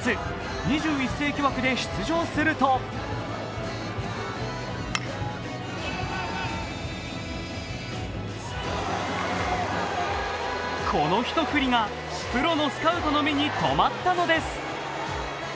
２１世紀枠で出場するとこの一振りがプロのスカウトの目にとまったのです。